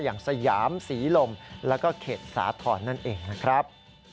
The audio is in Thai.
สยามศรีลมแล้วก็เขตสาธรณ์นั่นเองนะครับ